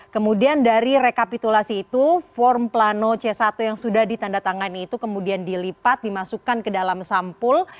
kemudian dari rekapitulasi itu form plano c satu yang sudah ditandatangani itu kemudian dilipat dimasukkan ke dalam sampul